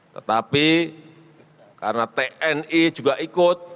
tetapi karena tni juga ikut